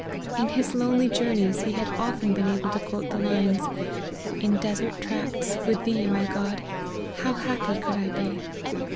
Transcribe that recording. In his lonely journeys he had often been able to quote the lines, " In desert tracts, with Thee, my God, % How happy could I be."